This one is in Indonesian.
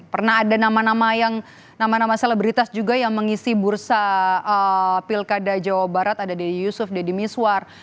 pernah ada nama nama selebritas juga yang mengisi bursa pilkada jawa barat ada de yusuf deddy miswar